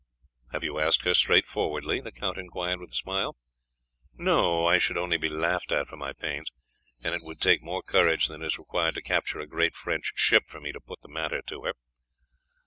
"Have you asked her straightforwardly?" the count inquired with a smile. "No, I should only be laughed at for my pains, and it would take more courage than is required to capture a great French ship for me to put the matter to her."